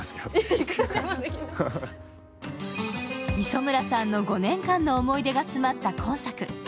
磯村さんの５年間の思い出が詰まった今作。